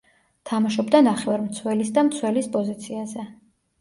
თამაშობდა ნახევარმცველის და მცველის პოზიციაზე.